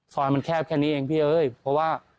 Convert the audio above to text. ซอยมันแคบแค่นี้เองพี่เอ้ยเพราะว่า